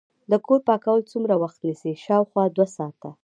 د کور پاکول څومره وخت نیسي؟ شاوخوا دوه ساعته